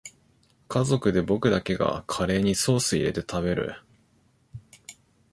家族で僕だけがカレーにソースいれて食べる